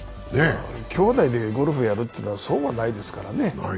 きょうだいでゴルフをやるというのは、そうはないですからね。